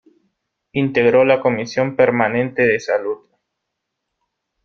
Integró la Comisión Permanente de Salud.